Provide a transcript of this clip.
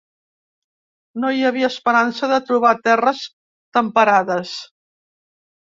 No hi havia esperança de trobar terres temperades.